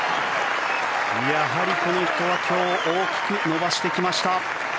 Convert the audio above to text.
やはりこの人は今日、大きく伸ばしてきました。